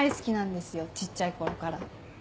ちっちゃい頃から。